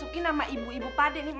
hanya tabur buah buahan